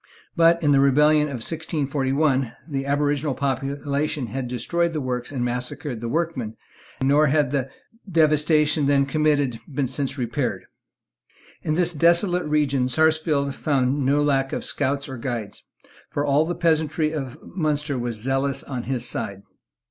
But, in the rebellion of 1641, the aboriginal population had destroyed the works and massacred the workmen; nor had the devastation then committed been since repaired. In this desolate region Sarsfield found no lack of scouts or of guides; for all the peasantry of Munster were zealous on his side.